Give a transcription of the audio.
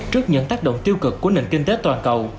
trước những tác động tiêu cực của nền kinh tế toàn cầu